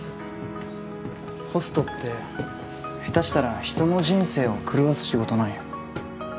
ホストって下手したら人の人生を狂わす仕事なんよ。